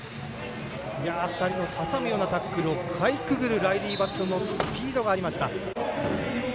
２人を挟むようなタックルをかいくぐるライリー・バットのスピードがありました。